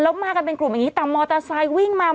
แล้วมากันเป็นกลุ่มอย่างนี้แต่มอเตอร์ไซค์วิ่งมา